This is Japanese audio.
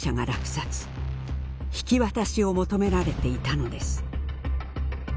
引き渡しを求められていたのです。